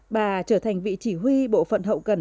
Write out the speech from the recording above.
bà trở thành vị chỉ huy bộ phận hậu cần